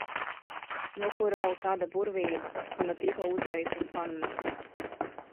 Nu kur ir vēl tāda burvība, ka no tīkla uzreiz uz pannas?